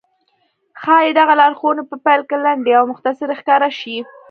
ښايي دغه لارښوونې په پيل کې لنډې او مختصرې ښکاره شي.